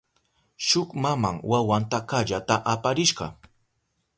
Shuk maman wawanta kallata aparishka.